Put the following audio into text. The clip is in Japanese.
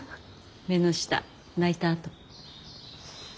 目の下泣いたあと。